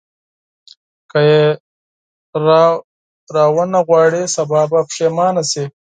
که یې راونه غواړې سبا به پښېمانه شې.